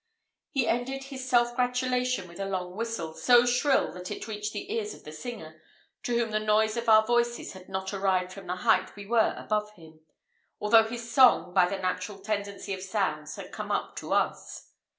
He ended his self gratulation with a long whistle, so shrill that it reached the ears of the singer, to whom the noise of our voices had not arrived from the height we were above him, although his song by the natural tendency of sounds had come up to us.